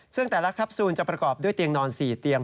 ซึ่งแต่ละแคปซูลจะประกอบด้วยเตียงนอน๔เตียง